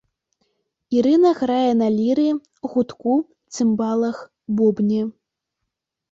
Ірына грае на ліры, гудку, цымбалах, бубне.